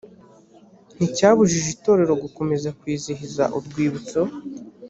nticyabujije itorero gukomeza kwizihiza urwibutso